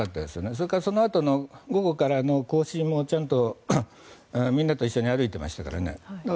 それからそのあとの午後からの行進もちゃんとみんなと一緒に歩いていましたからね。